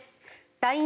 ＬＩＮＥ